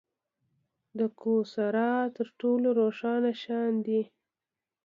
د کواسار تر ټولو روښانه شیان دي.